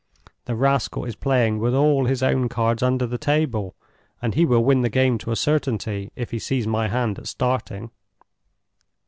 The rascal is playing with all his own cards under the table, and he will win the game to a certainty, if he sees my hand at starting."